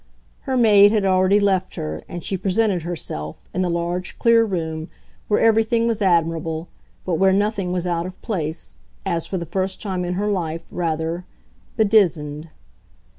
Her maid had already left her, and she presented herself, in the large, clear room, where everything was admirable, but where nothing was out of place, as, for the first time in her life rather "bedizened."